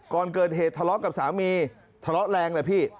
ก่อนเกิดเหตุทะเลาะกับสามีทะเลาะแรงเลยพี่